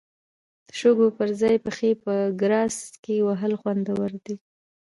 د شګو پر ځای پښې په ګراس کې وهل خوندور دي.